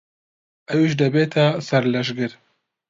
ئەویش دەبێتە سەرلەشکر.